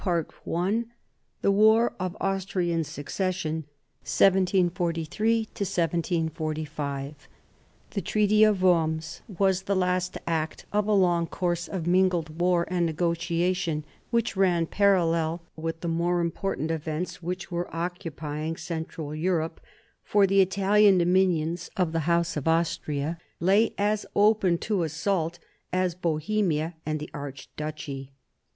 CHAPTER II 9 THE WAR OF THE AUSTRIAN SUCCESSION (continued) 1743 1745 The Treaty of Worms was the last act of a long course of mingled war and negotiation, which ran parallel with the more important events which were occupying Central Europe; for the Italian dominions of the House of Austria lay as open to assault as Bohemia and 'the archduchy.